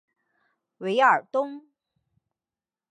韦尔东。